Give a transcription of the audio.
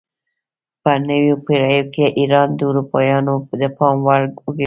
په نویو پیړیو کې ایران د اروپایانو د پام وړ وګرځید.